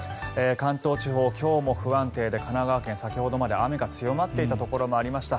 関東地方、今日も不安定で神奈川県、先ほどまで雨が強まっていたところもありました。